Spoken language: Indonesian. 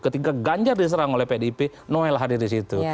ketika ganjar diserang oleh pdip noel hadir di situ